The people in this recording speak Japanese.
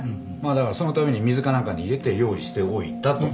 だからそのために水かなんかに入れて用意しておいたと。